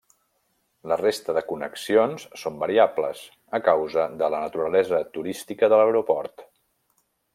La resta de connexions són variables, a causa de la naturalesa turística de l'aeroport.